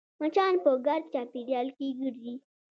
مچان په ګرد چاپېریال کې ګرځي